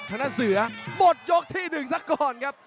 ชนะเสือหมดยกที่๑สักก่อนครับ